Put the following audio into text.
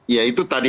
ya itu tadi